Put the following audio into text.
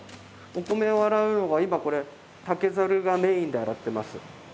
お米を洗うのが今これ竹ざるがメインで洗ってます。